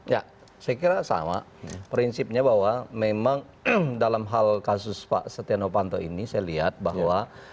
ya saya kira sama prinsipnya bahwa memang dalam hal kasus pak setia novanto ini saya lihat bahwa